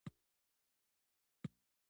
هوښیار څوک دی چې د خبرو مخکې فکر کوي.